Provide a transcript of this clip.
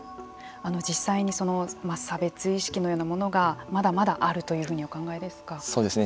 実際に差別意識のようなものがまだまだあるというふうにお考えですか。